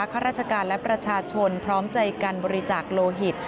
ข้าราชการและประชาชนพร้อมใจกันบริจาคโลหิต